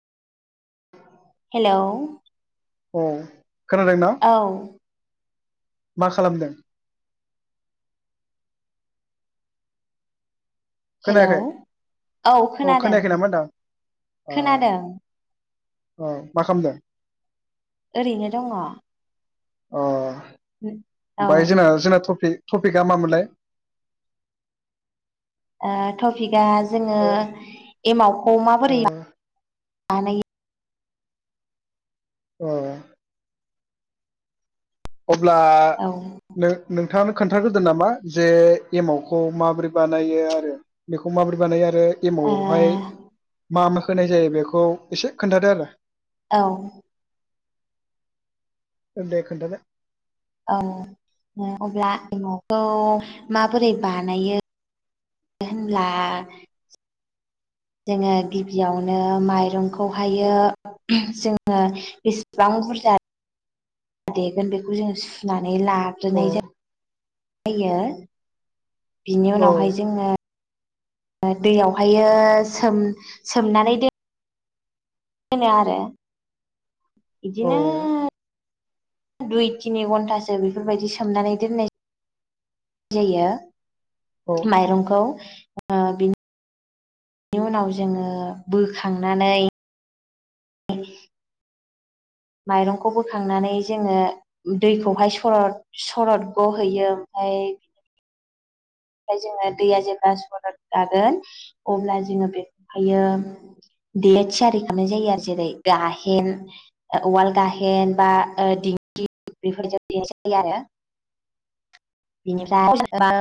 हेल' औ। खोनादों ना। मा खालामदों। हेल' खोनायाखै औ खोनादों खोनायाखै नामा होनदां खोनादों। अ मा खालामदों। ओरैनो दङ। अ। ओ बाय जोंना जोंना टपिक टपिकआ मामोनलाय। ओ टपिक या जोङो ओ एमावखौ ओ माबोरै बानाय ओ। अब्ला औ नो-नों थाङानो खोन्थाग्रोदो नामा जे एमावखौ माबोरै बानायो आरो बेखौ माब्रै बानायो आ ओ एमावहाय मा मा होनाय जायो बेखौ एसे खोन्थादो आरो। औ। ओन दे खोन्थादो। औ अब्ला एमावखौ माबोरै बानायो होनब्ला। जोंङो गिबियावनो माइरंखौहायो जोंङो बेसेबां बुरजा देगोन बेखौ जोंङो सुना नै औ लाग्रोनाय जा जायो। बिनि औ उनावहाय जोंङो। दैयावहायो सोम सोमनानै दो दोनो आरो। औ बिदिनो। दुइ तिनि घन्टासो बेफोरबायदि सोमनानै दोननाय जायो। औ माइरंखौ ओ बेनि उनाव जोंङो बोखांनानै [inaudible] माइरंखौ बोखांनानै जोंङो दैखौहाय सरद सरद गहैयो ओमफाय ओमफाय जोंङो दैया जेब्ला सरद जागोन अब्ला जोंङो बेखौहायो देनो थियारि खालामनाय जायो आरो जेरै गाहेन ओ उवाल गाहेन बा ओ दिंखि बेफोरजों देनाय जायो आरो बेनिफ्राय [unintelligible]